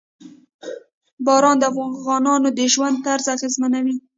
باران د افغانانو د ژوند طرز اغېزمنوي.